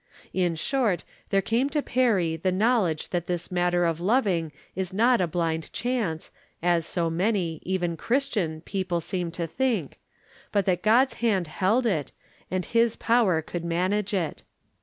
In short, there came to Perry the knowledge that this matter of loving is not a blind chance, as so many, even Christian, people seem to think, but that God's hand held it, and his power could manage it.